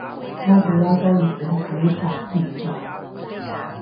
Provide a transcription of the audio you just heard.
拉布拉多獵犬體格健壯